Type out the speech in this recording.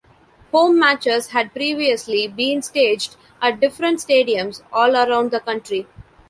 Home matches had previously been staged at different stadiums all around the country.